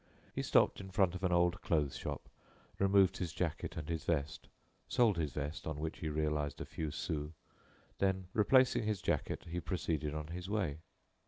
He stopped in front of an old clothes shop, removed his jacket and his vest, sold his vest on which he realized a few sous; then, replacing his jacket, he proceeded on his way.